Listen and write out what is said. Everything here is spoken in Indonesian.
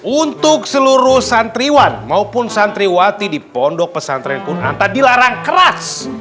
untuk seluruh santriwan maupun santriwati di pondok pesantren kunanta dilarang keras